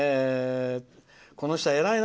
この人は偉いな。